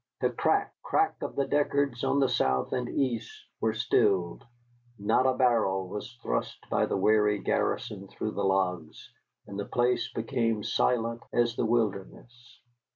The crack, crack of the Deckards on the south and east were stilled; not a barrel was thrust by the weary garrison through the logs, and the place became silent as the wilderness.